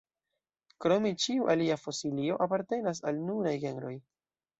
Krome ĉiu alia fosilio apartenas al nunaj genroj.